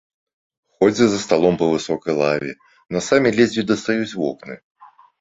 Ходзяць за сталом па высокай лаве, насамі ледзьве дастаюць вокны.